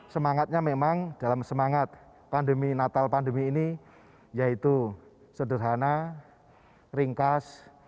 semangatnya memang dalam semangat pandemi natal pandemi ini yaitu sederhana ringkas